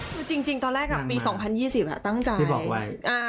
คือจริงตอนแรกอ่ะปีสองพันยี่สิบอ่ะตั้งใจที่บอกไว้